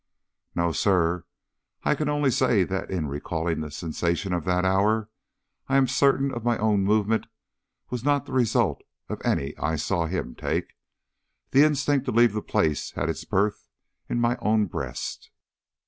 "No, sir. I can only say that in recalling the sensations of that hour, I am certain my own movement was not the result of any I saw him take. The instinct to leave the place had its birth in my own breast."